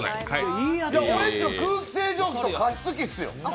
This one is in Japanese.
おれんちの空気清浄機と加湿器ですよ。